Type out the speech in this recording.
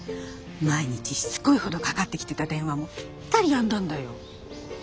毎日しつこいほどかかってきてた電話もぴったりやんだんだよ。